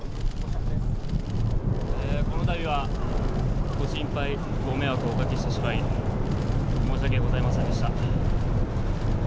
このたびはご心配、ご迷惑をおかけしてしまい、申し訳ございませんでした。